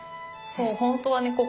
そう本当はね